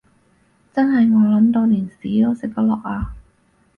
真係餓 𨶙 到連屎都食得落呀